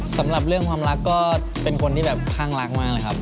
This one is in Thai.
สำหรับเรื่องความรักก็เป็นคนที่แบบข้างรักมากเลยครับ